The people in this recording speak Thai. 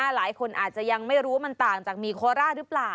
หลายคนอาจจะยังไม่รู้ว่ามันต่างจากหมีโคร่าหรือเปล่า